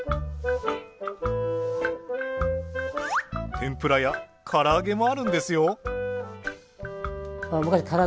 てんぷらやからあげもあるんですよ。